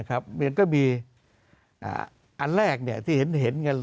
อันแรกที่เห็น